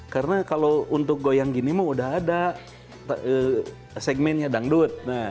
karena kalau untuk goyang gini mah udah ada segmennya dangdut